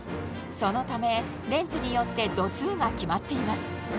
そのためレンズによって度数が決まっています